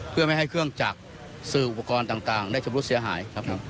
เพื่อไม่ให้เครื่องจักษ์ซื้ออุปกรณ์ต่างต่างได้จบรู้เสียหายครับครับ